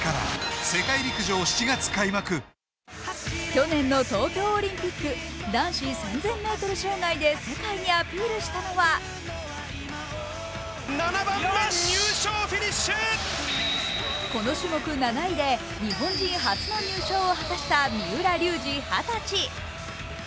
去年の東京オリンピック男子３０００ｍ障害で世界にアピールしたのはこの種目７位で日本人初の入賞を果たした三浦龍司、二十歳。